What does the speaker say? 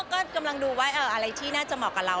ก็กำลังดูว่าอะไรที่น่าจะเหมาะกับเรา